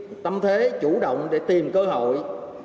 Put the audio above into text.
một tâm thế chủ động để tìm cơ hội